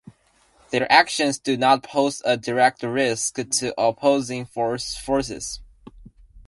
Their actions do not pose a direct risk to opposing forces.